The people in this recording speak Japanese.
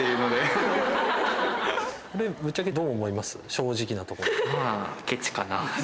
正直なところ。